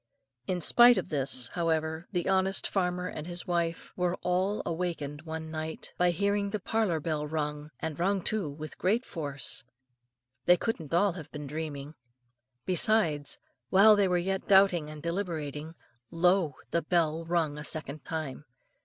In spite of this, however, the honest farmer and his family were all awakened one night by hearing the parlour bell rung, and rung too with great force. They couldn't all have been dreaming. Besides, while they were yet doubting and deliberating, lo! the bell rung a second time.